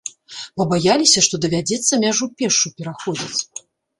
Пабаяліся, што давядзецца мяжу пешшу пераходзіць.